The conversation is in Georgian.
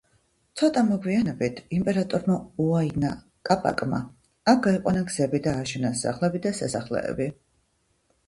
ცოტა მოგვიანებით, იმპერატორმა უაინა კაპაკმა აქ გაიყვანა გზები და ააშენა სახლები და სასახლეები.